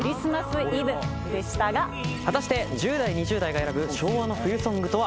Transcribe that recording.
果たして１０代２０代が選ぶ昭和の冬ソングとは？